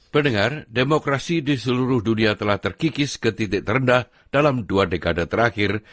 pendengar demokrasi di seluruh dunia telah terkikis ke titik terendah dalam dua dekade terakhir